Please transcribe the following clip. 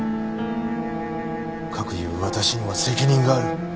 かくいう私にも責任がある。